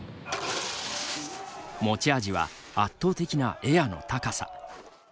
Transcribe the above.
持ち味は圧倒的なエアの高さ。